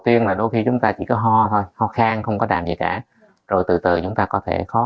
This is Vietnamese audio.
tiên là đôi khi chúng ta chỉ có ho thôi ho khang không có đàn gì cả rồi từ từ chúng ta có thể